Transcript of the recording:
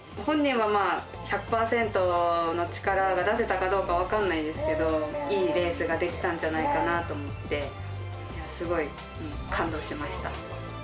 本人はまあ、１００％の力が出せたかどうか、分からないですけど、いいレースができたんじゃないかなと思って、すごい感動しました。